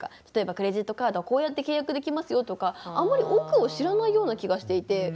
例えばクレジットカードはこうやって契約できますよとかあんまり奥を知らないような気がしていて。